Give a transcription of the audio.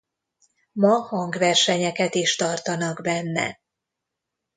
Ma hangversenyeket is tartanak benne.